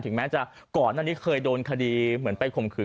แม้จะก่อนหน้านี้เคยโดนคดีเหมือนไปข่มขืน